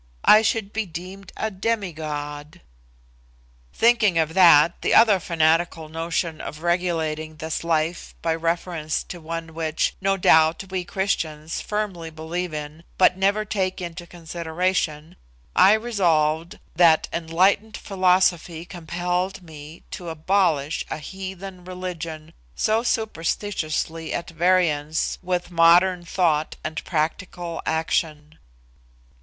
I should be deemed a demigod." Thinking of that, the other fanatical notion of regulating this life by reference to one which, no doubt, we Christians firmly believe in, but never take into consideration, I resolved that enlightened philosophy compelled me to abolish a heathen religion so superstitiously at variance with modern thought and practical action.